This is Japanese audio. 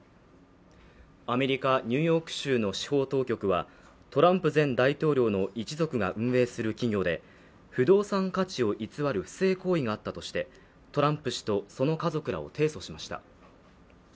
アメリカ・ニューヨーク州の司法当局はトランプ前大統領の一族が運営する企業で不動産価値を偽る不正行為があったとしてトランプ氏とその家族らを提訴しました。